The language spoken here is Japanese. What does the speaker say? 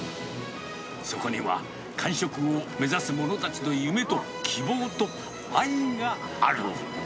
そこには、完食を目指す者たちの夢と希望と愛がある。